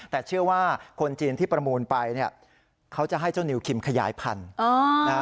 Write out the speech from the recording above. แต่เชื่อว่าคนจีนที่ประมูลไปเนี่ยเขาจะให้เจ้านิวคิมขยายพันธุ์